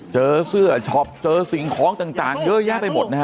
เจอเสื้อช็อปเจอสิ่งของต่างเยอะแยะไปหมดนะฮะ